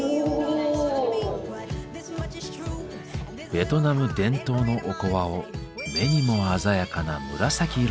ベトナム伝統のおこわを目にも鮮やかな紫色に。